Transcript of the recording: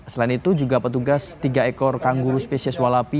selain itu juga petugas tiga ekor kangguru spesies walapi